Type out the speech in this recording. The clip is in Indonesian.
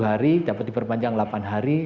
dua hari dapat diperpanjang delapan hari